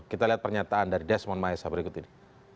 kita lihat pernyataan dari desmond maesa berikut ini